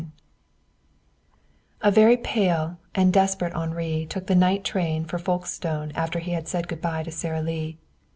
XXVII Very pale and desperate, Henri took the night A train for Folkestone after he had said good by to Sara Lee.